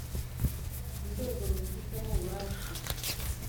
mu rwego rubifitiye ububasha.